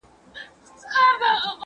ايا ته ليکنه کوې!.